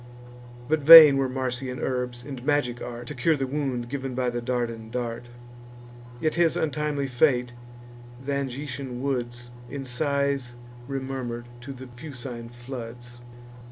But vain were Marsian herbs, and magic art, To cure the wound giv'n by the Dardan dart: Yet his untimely fate th' Angitian woods In sighs remurmur'd to the Fucine floods.